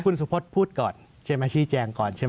คุณสุพธิ์พูดก่อนเจมชิแจงก่อนใช่ไหม